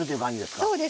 そうです。